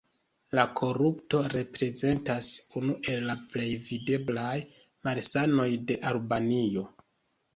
La korupto reprezentas unu el la plej videblaj malsanoj de Albanio.